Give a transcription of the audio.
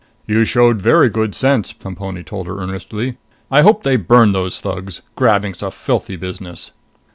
"You showed very good sense," Plemponi told her earnestly. "I hope they burn those thugs! Grabbing's a filthy business."